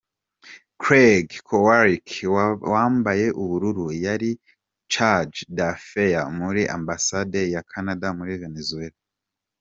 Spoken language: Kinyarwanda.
Craig Kowalik, wambaye ubururu, yari Charge d’affaires muri Ambasade ya Canada muri Venezuela